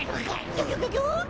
ギョギョギョギョ？